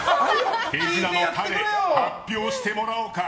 手品のタネ、発表してもらおうか。